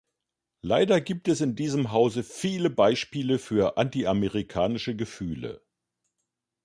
Leider gibt es in diesem Hause viele Beispiele für antiamerikanische Gefühle.